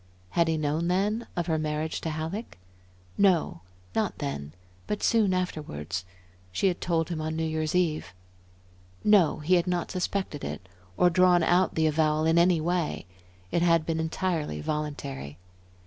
Had he known then of her marriage to Halleck? No, not then, but soon afterwards. She had told him on New Year's Eve. No, he had not suspected it, or drawn out the avowal in any way. It had been entirely voluntary.